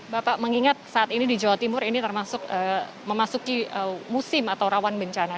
bapak mengingat saat ini di jawa timur ini termasuk memasuki musim atau rawan bencana